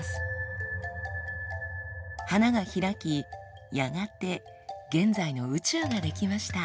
花が開きやがて現在の宇宙が出来ました。